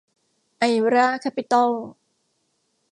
ไอร่า แคปปิตอล